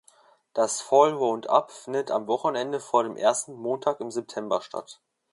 Das „Fall round up“ findet am Wochenende vor dem ersten Montag im September statt.